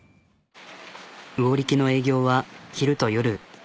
魚力の営業は昼と夜。